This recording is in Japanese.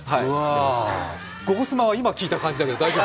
「ゴゴスマ」は今聞いた感じだけど大丈夫？